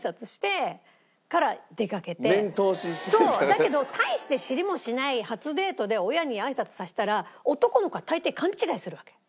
だけど大して知りもしない初デートで親にあいさつさせたら男の子は大抵勘違いするわけよ。